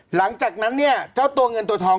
หลังจากนั้นเนี่ยเจ้าตัวเงินตัวทอง